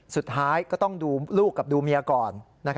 สุดท้ายก็ต้องดูลูกกับดูเมียก่อน